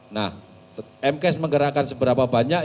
lm case menggerakkan seberapa banyak